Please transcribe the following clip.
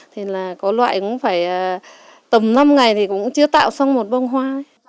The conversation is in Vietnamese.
thì là có loại cũng phải tầm năm ngày thì cũng chưa tạo xong một bông hoa